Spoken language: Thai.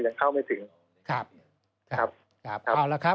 ยังเข้าไม่ถึงครับครับครับเอาละครับ